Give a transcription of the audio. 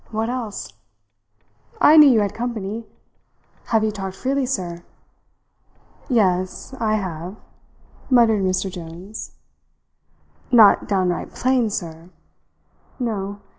What else? I knew you had company. Have you talked freely, sir?" "Yes, I have," muttered Mr. Jones. "Not downright plain, sir?" "No.